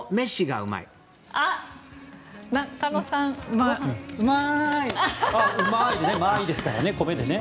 うまいですね、米でね。